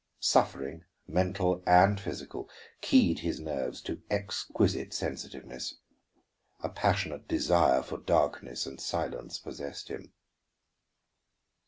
Suffering, mental and physical, keyed his nerves to exquisite sensitiveness; a passionate desire for darkness and silence possessed him.